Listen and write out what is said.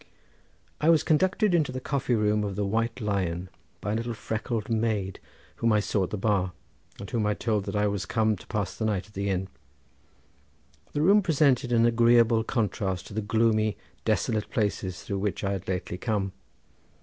I was conducted into the coffee room of the White Lion by a little freckled maid whom I saw at the bar, and whom I told that I was come to pass the night at the inn. The room presented an agreeable contrast to the gloomy, desolate places through which I had lately come.